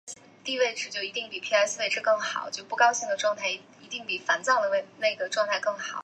银将之升级棋。